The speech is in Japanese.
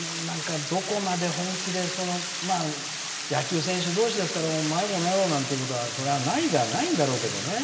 どこまで本気で野球選手同士ですからお前、この野郎っていうことはそりゃないではないんだろうけどね。